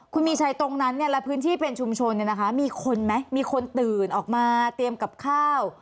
คุณมีชัยตรงนั้นและพื้นที่เป็นชุมชนมีคนตื่นออกมาเตรียมกับข้าว